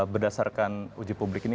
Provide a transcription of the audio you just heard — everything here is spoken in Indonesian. berdasarkan uji publik ini